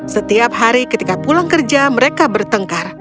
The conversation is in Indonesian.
setiap hari ketika pulang kerja mereka bertengkar